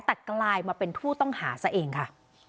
แต่กลายมาเป็นผู้ต้องหาซะเองค่ะ